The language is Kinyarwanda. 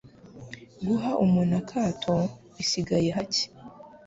Guha umuntu akato bisigaye hake